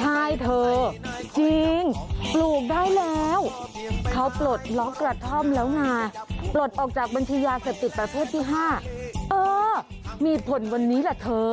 ใช่เธอจริงปลูกได้แล้วเขาปลดล็อกกระท่อมแล้วไงปลดออกจากบัญชียาเสพติดประเภทที่๕เออมีผลวันนี้แหละเธอ